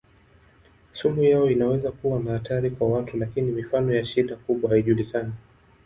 Sumu yao inaweza kuwa na hatari kwa watu lakini mifano ya shida kubwa haijulikani.